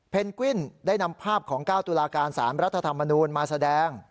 กวินได้นำภาพของ๙ตุลาการสารรัฐธรรมนูลมาแสดง